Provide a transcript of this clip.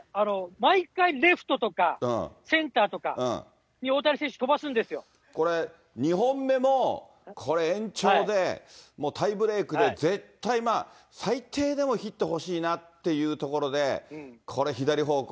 毎回、レフトとか、センターとかこれ、２本目もこれ、延長で、もうタイブレークで、絶対、最低でもヒット欲しいなっていうところで、これ左方向。